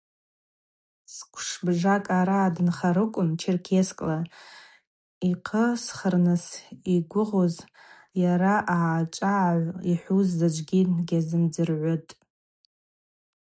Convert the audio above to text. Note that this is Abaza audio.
Сквшбжакӏ аъара дынхарыквын Черкесскла йхъысхырныс йгвыгъуз йара аъачӏвагӏагӏв йхӏвуз заджвгьи дгьазымдзыргӏвытӏ.